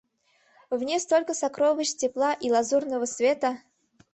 В ней столько сокровищ тепла и лазурного света!